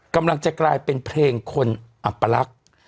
กำลังจะกลายเป็นเพลงคนอัปลักษณ์